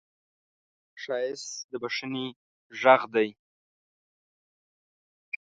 ښایست د بښنې غږ دی